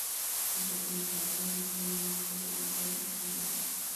El documental se emitió en Discovery Health Channel.